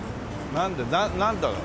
なんだろう？